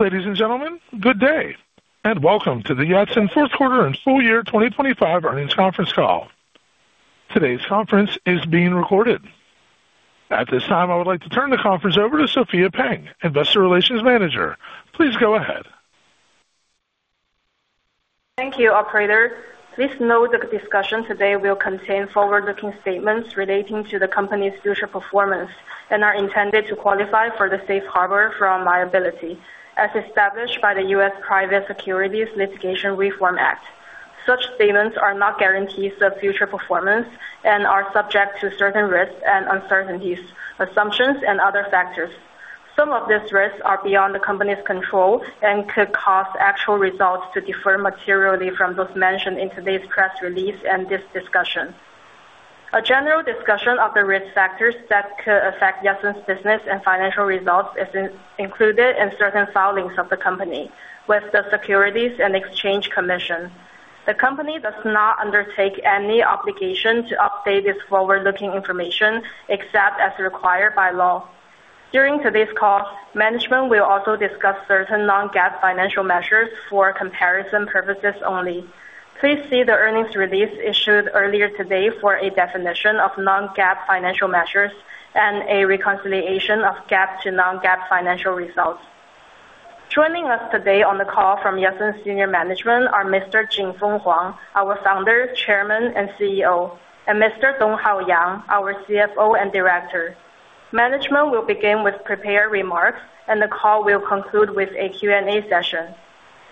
Ladies and gentlemen, good day, welcome to the Yatsen fourth quarter and full year 2025 earnings conference call. Today's conference is being recorded. At this time, I would like to turn the conference over to Sophia Pang, Investor Relations Manager. Please go ahead. Thank you, operator. Please note that discussion today will contain forward-looking statements relating to the company's future performance and are intended to qualify for the safe harbor from liability as established by the U.S. Private Securities Litigation Reform Act. Such statements are not guarantees of future performance and are subject to certain risks and uncertainties, assumptions and other factors. Some of these risks are beyond the company's control and could cause actual results to differ materially from those mentioned in today's press release and this discussion. A general discussion of the risk factors that could affect Yatsen's business and financial results is included in certain filings of the company with the Securities and Exchange Commission. The company does not undertake any obligation to update this forward-looking information except as required by law. During today's call, management will also discuss certain non-GAAP financial measures for comparison purposes only. Please see the earnings release issued earlier today for a definition of non-GAAP financial measures and a reconciliation of GAAP to non-GAAP financial results. Joining us today on the call from Yatsen senior management are Mr. Jinfeng Huang, our Founder, Chairman, and CEO, and Mr. Donghao Yang, our CFO and Director. Management will begin with prepared remarks and the call will conclude with a Q&A session.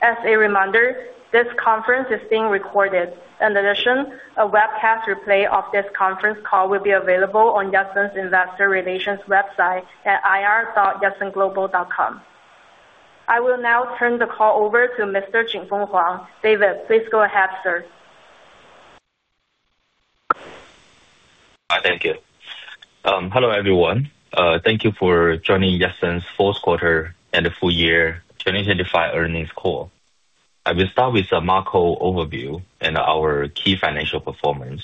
As a reminder, this conference is being recorded. In addition, a webcast replay of this conference call will be available on Yatsen's Investor Relations website at ir.yatsenglobal.com. I will now turn the call over to Mr. Jingfeng Huang. David, please go ahead, sir. Hi. Thank you. Hello, everyone. Thank you for joining Yatsen's fourth quarter and full year 2025 earnings call. I will start with a macro overview and our key financial performance,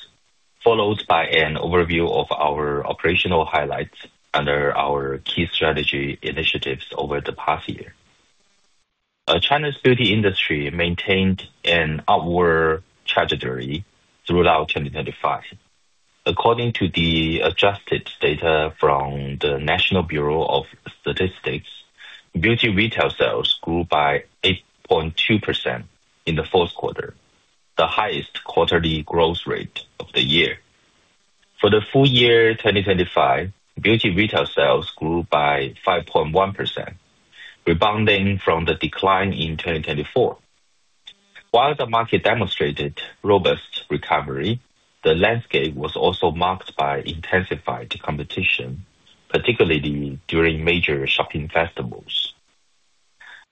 followed by an overview of our operational highlights under our key strategy initiatives over the past year. China's beauty industry maintained an upward trajectory throughout 2025. According to the adjusted data from the National Bureau of Statistics, beauty retail sales grew by 8.2% in the fourth quarter, the highest quarterly growth rate of the year. For the full year 2025, beauty retail sales grew by 5.1%, rebounding from the decline in 2024. While the market demonstrated robust recovery, the landscape was also marked by intensified competition, particularly during major shopping festivals.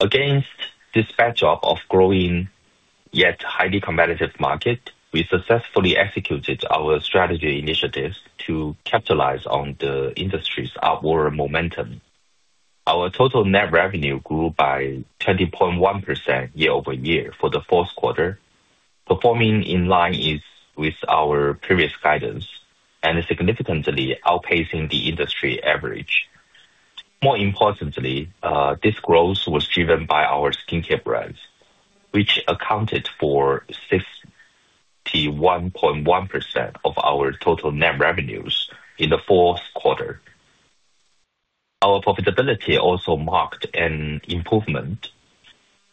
Against this backdrop of growing, yet highly competitive market, we successfully executed our strategy initiatives to capitalize on the industry's upward momentum. Our total net revenue grew by 20.1% year-over-year for the fourth quarter, performing in line is with our previous guidance and significantly outpacing the industry average. More importantly, this growth was driven by our skincare brands, which accounted for 61.1% of our total net revenues in the fourth quarter. Our profitability also marked an improvement,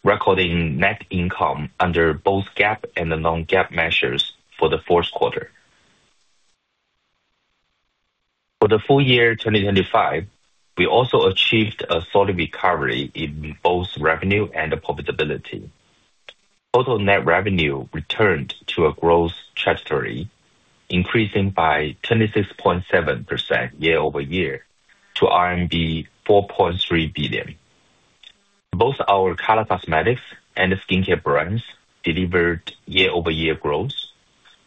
recording net income under both GAAP and non-GAAP measures for the fourth quarter. For the full year 2025, we also achieved a solid recovery in both revenue and profitability. Total net revenue returned to a growth trajectory, increasing by 26.7% year-over-year to RMB 4.3 billion. Both our color cosmetics and skincare brands delivered year-over-year growth,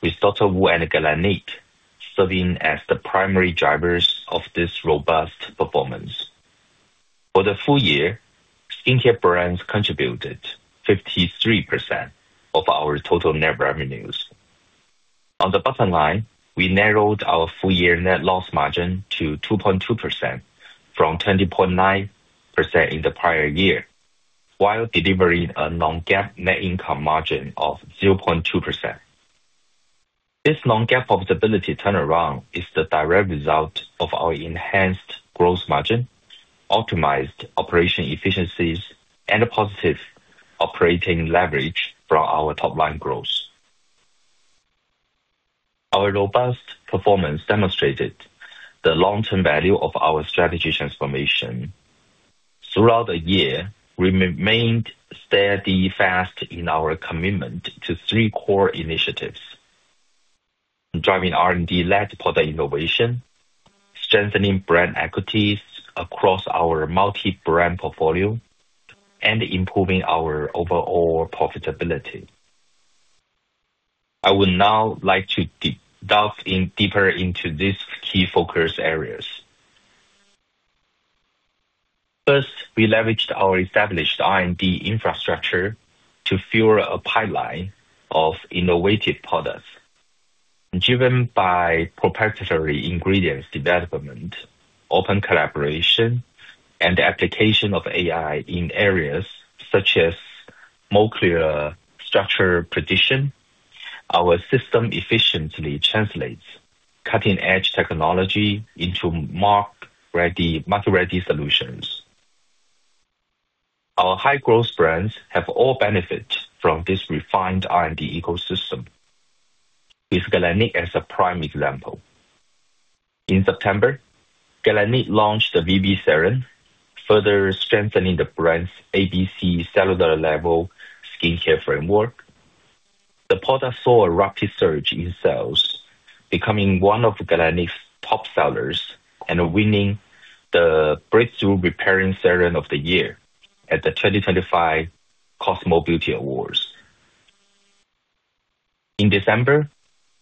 with DR.WU and Galénic serving as the primary drivers of this robust performance. For the full year, skincare brands contributed 53% of our total net revenues. On the bottom line, we narrowed our full year net loss margin to 2.2% from 20.9% in the prior year, while delivering a non-GAAP net income margin of 0.2%. This non-GAAP profitability turnaround is the direct result of our enhanced growth margin, optimized operation efficiencies and a positive operating leverage from our top line growth. Our robust performance demonstrated the long-term value of our strategy transformation. Throughout the year, we remained steadfast in our commitment to three core initiatives: driving R&D-led product innovation, strengthening brand equities across our multi-brand portfolio, and improving our overall profitability. I would now like to dive in deeper into these key focus areas. First, we leveraged our established R&D infrastructure to fuel a pipeline of innovative products. Driven by proprietary ingredients development, open collaboration and application of AI in areas such as molecular structure prediction, our system efficiently translates cutting-edge technology into market-ready solutions. Our high growth brands have all benefited from this refined R&D ecosystem, with Galénic as a prime example. In September, Galénic launched the VB Serum, further strengthening the brand's ABC cellular-level skincare framework. The product saw a rapid surge in sales, becoming one of Galénic's top sellers and winning the Breakthrough Repairing Serum of the Year at the 2025 Cosmo Beauty Awards. In December,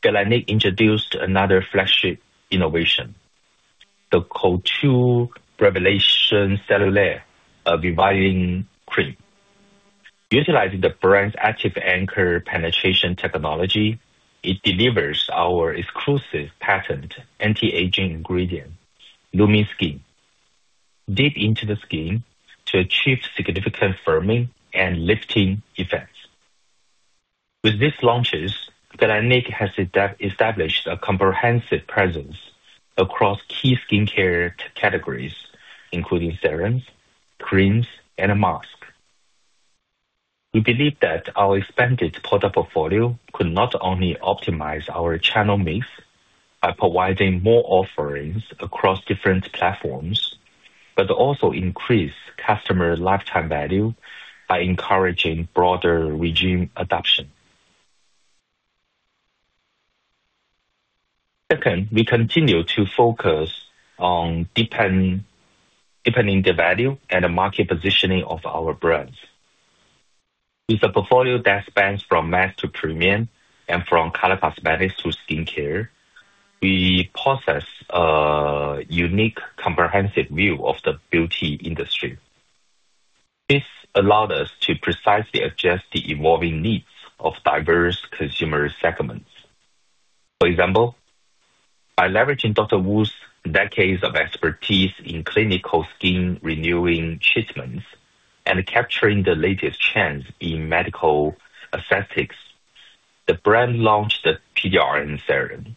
Galénic introduced another flagship innovation, the Couture Révélation Cellulaire Reviving Cream. Utilizing the brand's active anchor penetration technology, it delivers our exclusive patent anti-aging ingredient, Lumiskin, deep into the skin to achieve significant firming and lifting effects. With these launches, Galénic has established a comprehensive presence across key skincare categories, including serums, creams and masks. We believe that our expanded product portfolio could not only optimize our channel mix by providing more offerings across different platforms, but also increase customer lifetime value by encouraging broader regime adoption. Second, we continue to focus on deepening the value and market positioning of our brands. With a portfolio that spans from mass to premium and from color cosmetics to skincare, we possess a unique comprehensive view of the beauty industry. This allowed us to precisely adjust the evolving needs of diverse consumer segments. For example, by leveraging DR.WU's decades of expertise in clinical skin renewing treatments and capturing the latest trends in medical aesthetics, the brand launched the PDRN serum.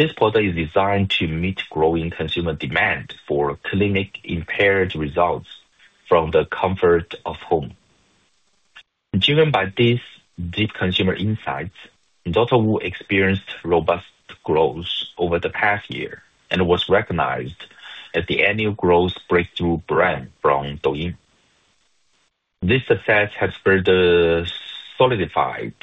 This product is designed to meet growing consumer demand for clinic impaired results from the comfort of home. Driven by these deep consumer insights, DR.WU experienced robust growth over the past year and was recognized as the annual growth breakthrough brand from Douyin. This success has further solidified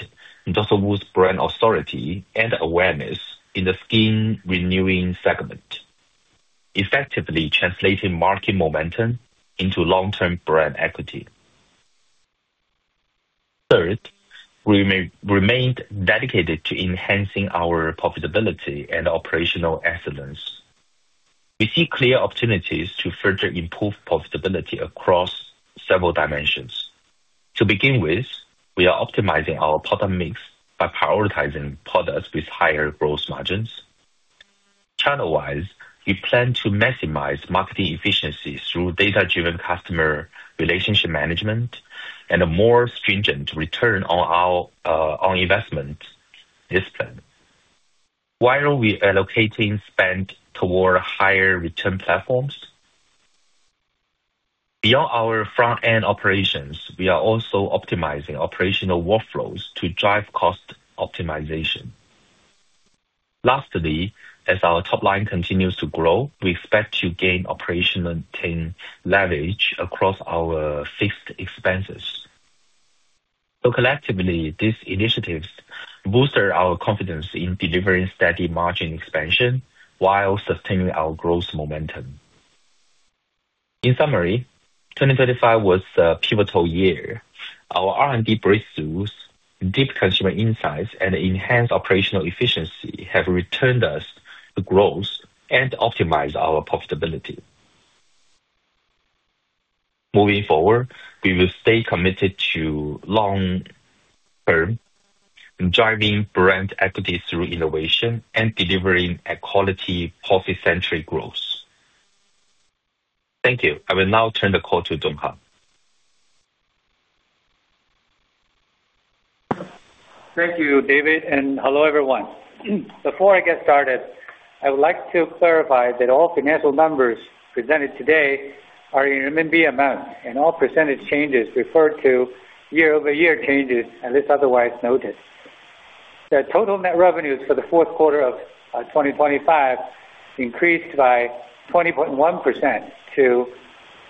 DR.WU's brand authority and awareness in the skin renewing segment, effectively translating market momentum into long-term brand equity. Third, we remained dedicated to enhancing our profitability and operational excellence. We see clear opportunities to further improve profitability across several dimensions. To begin with, we are optimizing our product mix by prioritizing products with higher growth margins. Channel-wise, we plan to maximize marketing efficiency through data-driven customer relationship management and a more stringent return on our investment discipline while we are locating spend toward higher return platforms. Beyond our front-end operations, we are also optimizing operational workflows to drive cost optimization. Lastly, as our top line continues to grow, we expect to gain operational leverage across our fixed expenses. Collectively, these initiatives booster our confidence in delivering steady margin expansion while sustaining our growth momentum. In summary, 2025 was a pivotal year. Our R&D breakthroughs, deep consumer insights and enhanced operational efficiency have returned us to growth and optimized our profitability. Moving forward, we will stay committed to long term, driving brand equity through innovation and delivering a quality policy-centric growth. Thank you. I will now turn the call to Donghao Yang. Thank you, David, and hello everyone. Before I get started, I would like to clarify that all financial numbers presented today are in RMB amount and all percentage changes refer to year-over-year changes, unless otherwise noted. The total net revenues for the fourth quarter of 2025 increased by 20.1% to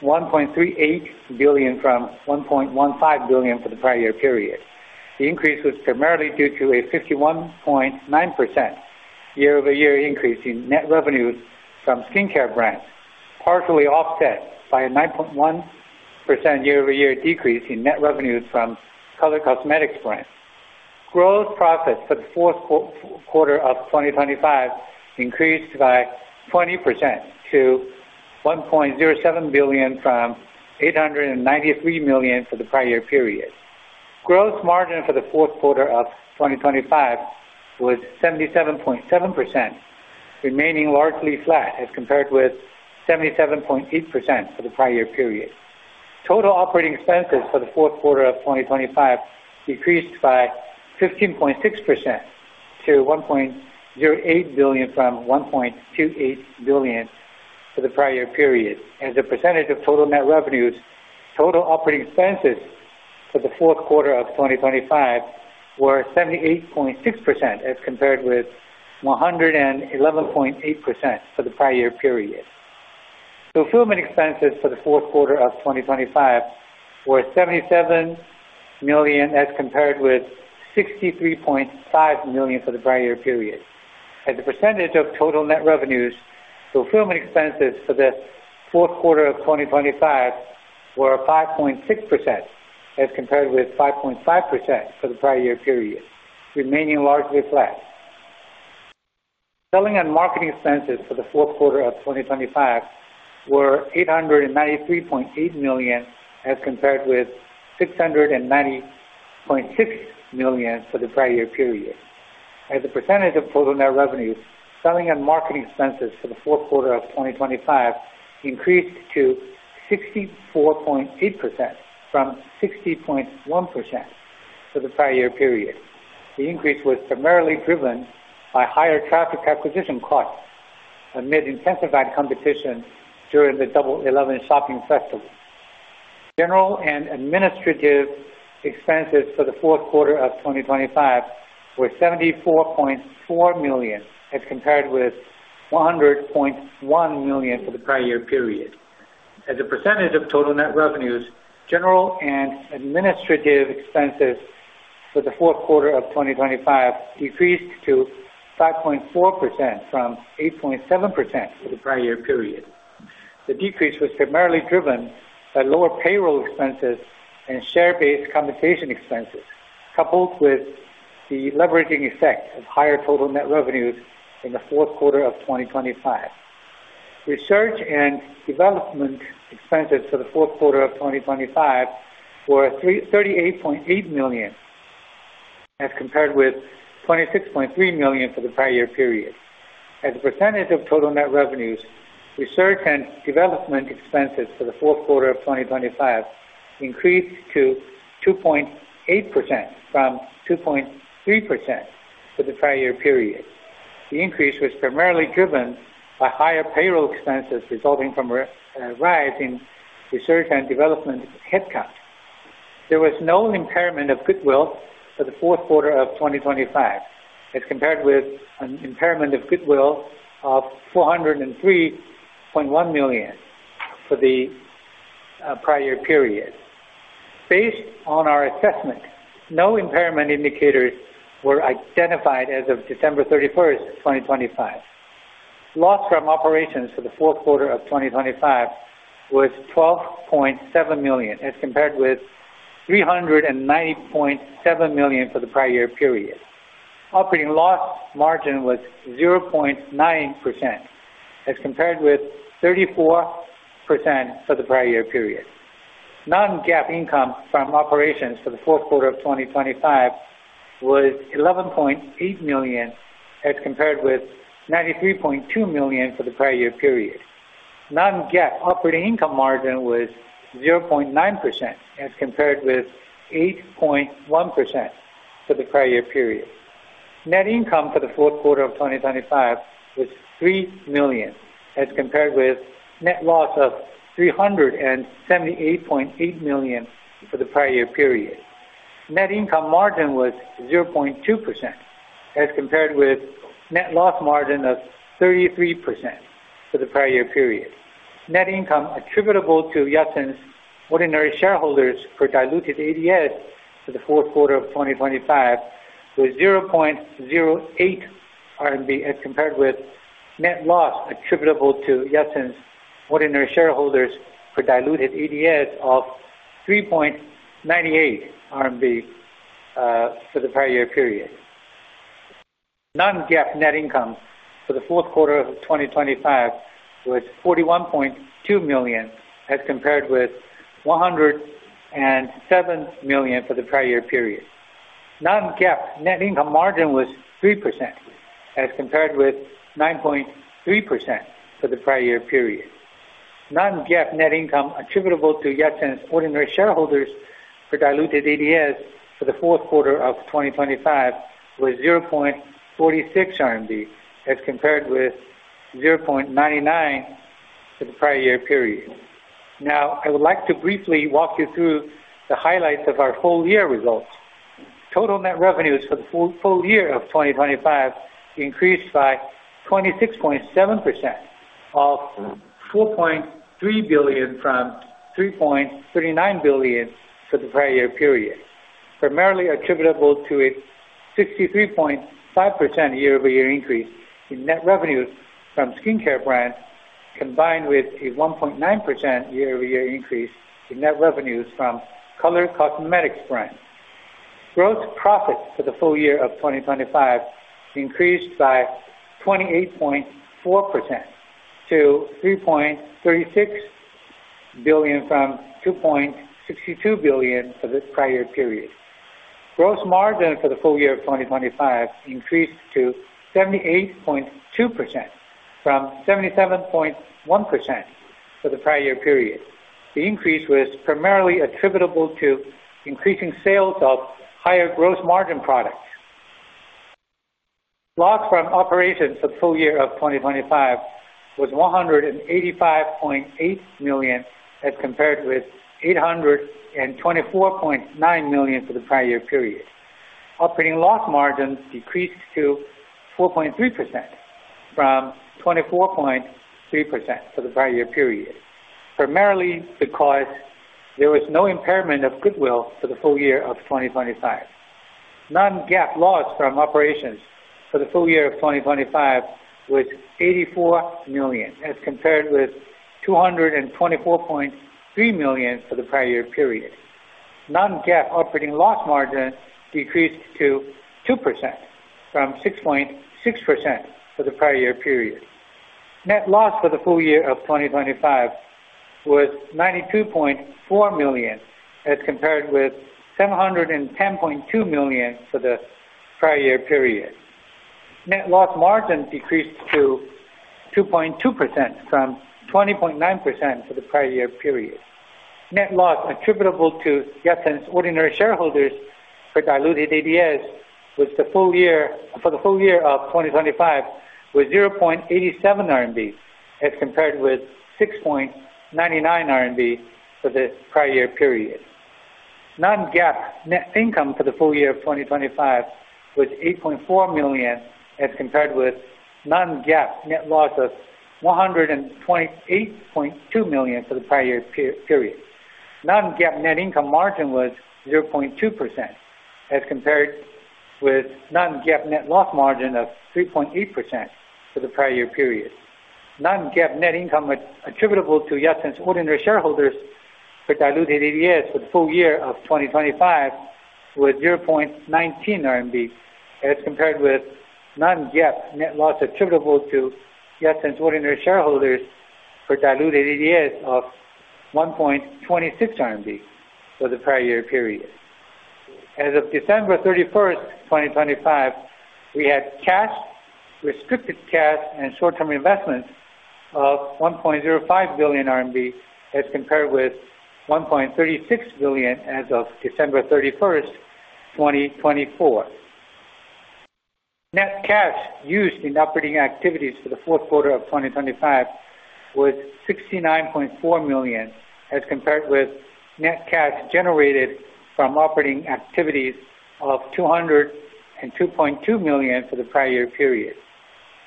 1.38 billion from 1.15 billion for the prior year period. The increase was primarily due to a 51.9% year-over-year increase in net revenues from skincare brands, partially offset by a 9.1% year-over-year decrease in net revenues from color cosmetics brands. Gross profits for the fourth quarter of 2025 increased by 20% to 1.07 billion from 893 million for the prior year period. Gross margin for the fourth quarter of 2025 was 77.7%, remaining largely flat as compared with 77.8% for the prior year period. Total operating expenses for the fourth quarter of 2025 decreased by 15.6% to 1.08 billion from 1.28 billion for the prior year period. As a percentage of total net revenues, total operating expenses for the fourth quarter of 2025 were 78.6% as compared with 111.8% for the prior year period. Fulfillment expenses for the fourth quarter of 2025 were 77 million as compared with 63.5 million for the prior year period. As a percentage of total net revenues, fulfillment expenses for the fourth quarter of 2025 were 5.6% as compared with 5.5% for the prior year period, remaining largely flat. Selling and marketing expenses for the fourth quarter of 2025 were 893.8 million as compared with 690.6 million for the prior year period. As a percentage of total net revenues, selling and marketing expenses for the fourth quarter of 2025 increased to 64.8% from 60.1% for the prior year period. The increase was primarily driven by higher traffic acquisition costs amid intensified competition during the Double Eleven shopping festival. General and administrative expenses for the fourth quarter of 2025 were 74.4 million as compared with 100.1 million for the prior year period. As a percentage of total net revenues, general and administrative expenses for the fourth quarter of 2025 decreased to 5.4% from 8.7% for the prior year period. The decrease was primarily driven by lower payroll expenses and share-based compensation expenses, coupled with the leveraging effect of higher total net revenues in the fourth quarter of 2025. Research and development expenses for the fourth quarter of 2025 were 38.8 million as compared with 26.3 million for the prior year period. As a percentage of total net revenues, R&D expenses for the fourth quarter of 2025 increased to 2.8% from 2.3% for the prior year period. The increase was primarily driven by higher payroll expenses resulting from a rise in R&D headcount. There was no impairment of goodwill for the fourth quarter of 2025 as compared with an impairment of goodwill of 403.1 million for the prior year period. Based on our assessment, no impairment indicators were identified as of December 31, 2025. Loss from operations for the fourth quarter of 2025 was 12.7 million as compared with 390.7 million for the prior year period. Operating loss margin was 0.9% as compared with 34% for the prior year period. Non-GAAP income from operations for the fourth quarter of 2025 was 11.8 million as compared with 93.2 million for the prior year period. Non-GAAP operating income margin was 0.9% as compared with 8.1% for the prior year period. Net income for the fourth quarter of 2025 was 3 million as compared with net loss of 378.8 million for the prior year period. Net income margin was 0.2% as compared with net loss margin of 33% for the prior year period. Net income attributable to Yatsen's ordinary shareholders per diluted ADS for the fourth quarter of 2025 was 0.08 RMB as compared with net loss attributable to Yatsen's ordinary shareholders per diluted ADS of 3.98 RMB for the prior year period. Non-GAAP net income for the fourth quarter of 2025 was 41.2 million as compared with 107 million for the prior year period. Non-GAAP net income margin was 3% as compared with 9.3% for the prior year period. Non-GAAP net income attributable to Yatsen's ordinary shareholders per diluted ADS for the fourth quarter of 2025 was 0.46 RMB as compared with 0.99 for the prior year period. I would like to briefly walk you through the highlights of our full year results. Total net revenues for the full year of 2025 increased by 26.7% of 4.3 billion from 3.39 billion for the prior year period, primarily attributable to a 63.5% year-over-year increase in net revenues from skincare brands, combined with a 1.9% year-over-year increase in net revenues from color cosmetics brands. Gross profit for the full year of 2025 increased by 28.4% to 3.36 billion from 2.62 billion for this prior period. Gross margin for the full year of 2025 increased to 78.2% from 77.1% for the prior year period. The increase was primarily attributable to increasing sales of higher gross margin products. Loss from operations for full year of 2025 was 185.8 million, as compared with 824.9 million for the prior year period. Operating loss margins decreased to 4.3% from 24.3% for the prior year period, primarily because there was no impairment of goodwill for the full year of 2025. Non-GAAP loss from operations for the full year of 2025 was 84 million, as compared with 224.3 million for the prior year period. Non-GAAP operating loss margin decreased to 2% from 6.6% for the prior year period. Net loss for the full year of 2025 was 92.4 million, as compared with 710.2 million for the prior year period. Net loss margin decreased to 2.2% from 20.9% for the prior year period. Net loss attributable to Yatsen's ordinary shareholders for diluted ADS for the full year of 2025 was 0.87 RMB, as compared with 6.99 RMB for the prior year period. Non-GAAP net income for the full year of 2025 was 8.4 million, as compared with non-GAAP net loss of 128.2 million for the prior year period. Non-GAAP net income margin was 0.2%, as compared with non-GAAP net loss margin of 3.8% for the prior year period. Non-GAAP net income attributable to Yatsen's ordinary shareholders for diluted ADS for the full year of 2025 was 0.19 RMB, as compared with non-GAAP net loss attributable to Yatsen's ordinary shareholders for diluted ADS of 1.26 RMB for the prior year period. As of December 31st, 2025, we had cash, restricted cash and short-term investments of 1.05 billion RMB, as compared with 1.36 billion as of December 31st, 2024. Net cash used in operating activities for the fourth quarter of 2025 was 69.4 million, as compared with net cash generated from operating activities of 202.2 million for the prior year period.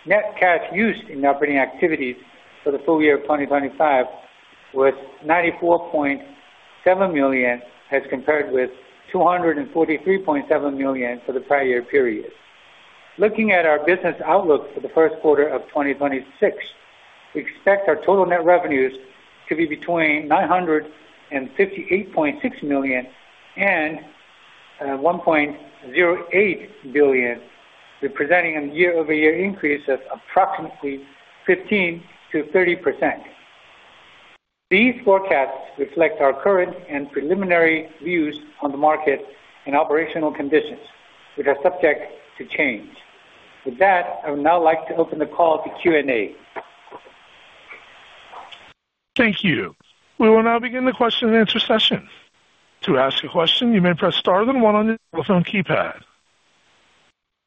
Net cash used in operating activities for the full year of 2025 was 94.7 million, as compared with 243.7 million for the prior year period. Looking at our business outlook for the first quarter of 2026, we expect our total net revenues to be between 958.6 million and 1.08 billion, representing a year-over-year increase of approximately 15%-30%. These forecasts reflect our current and preliminary views on the market and operational conditions, which are subject to change. With that, I would now like to open the call to Q&A. Thank you. We will now begin the question and answer session. To ask a question, you may press star then one on your telephone keypad.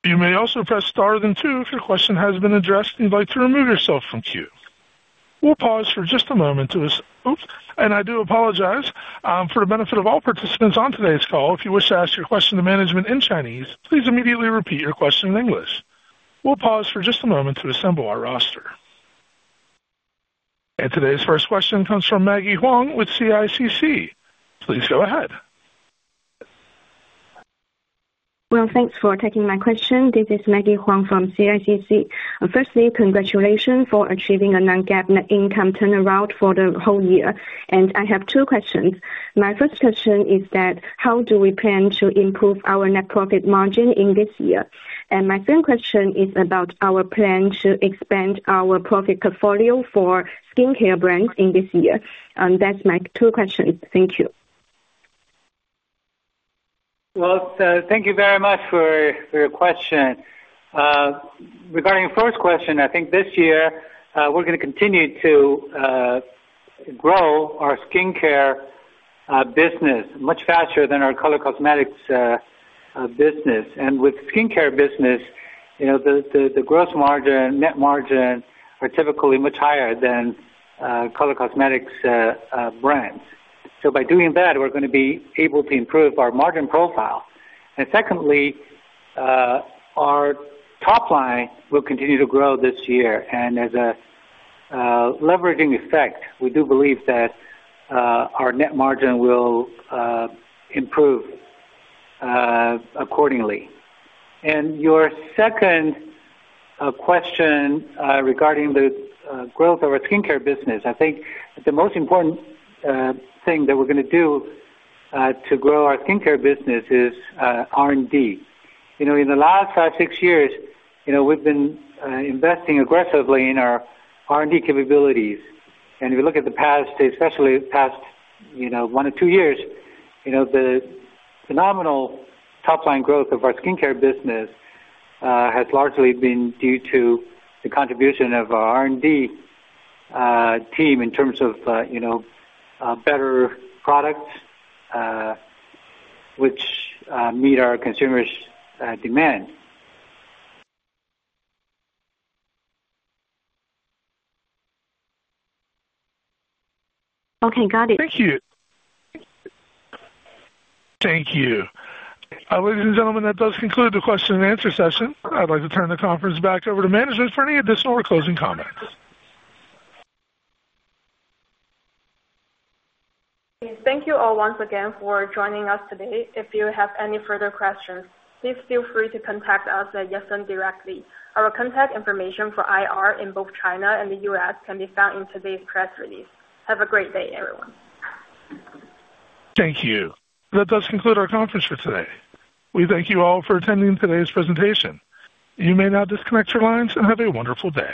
You may also press star then two if your question has been addressed and you'd like to remove yourself from queue. We'll pause for just a moment. Oops, and I do apologize. For the benefit of all participants on today's call, if you wish to ask your question to management in Chinese, please immediately repeat your question in English. We'll pause for just a moment to assemble our roster. Today's first question comes from Maggie Huang with CICC. Please go ahead. Thanks for taking my question. This is Maggie Huang from CICC. Firstly, congratulations for achieving a non-GAAP net income turnaround for the whole year. I have two questions. My first question is that how do we plan to improve our net profit margin in this year? My second question is about our plan to expand our profit portfolio for skincare brands in this year. That's my two questions. Thank you. Thank you very much for your question. Regarding your first question, I think this year, we're gonna continue to grow our skincare business much faster than our color cosmetics business. With skincare business, you know, the gross margin, net margin are typically much higher than color cosmetics brands. By doing that, we're gonna be able to improve our margin profile. Secondly, our top line will continue to grow this year. As a leveraging effect, we do believe that our net margin will improve accordingly. Your second question, regarding the growth of our skincare business, I think the most important thing that we're gonna do to grow our skincare business is R&D. You know, in the last five, six years, you know, we've been investing aggressively in our R&D capabilities. If you look at the past, especially past, you know, one or two years, you know, the phenomenal top line growth of our skincare business has largely been due to the contribution of our R&D team in terms of, you know, better products, which meet our consumers demand. Okay, got it. Thank you. Thank you. Ladies and gentlemen, that does conclude the question and answer session. I'd like to turn the conference back over to management for any additional or closing comments. Thank you all once again for joining us today. If you have any further questions, please feel free to contact us at Yatsen directly. Our contact information for IR in both China and the U.S. can be found in today's press release. Have a great day, everyone. Thank you. That does conclude our conference for today. We thank you all for attending today's presentation. You may now disconnect your lines and have a wonderful day.